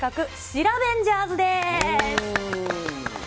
シラベンジャーズです。